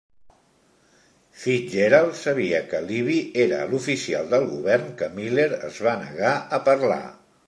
Fitzgerald sabia que Libby era l'oficial del govern que Miller es va negar a parlar.